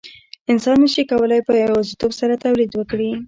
انسان نشي کولای په یوازیتوب سره تولید وکړي.